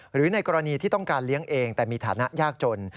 หรือในกรณีที่ต้องการเลี้ยงเองแต่มีฐานะยากจน